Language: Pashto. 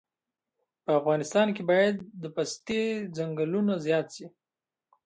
په افغانستان کې باید د پستې ځنګلونه زیات شي